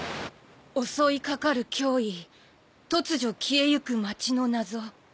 「襲いかかる脅威突如消えゆく街の謎」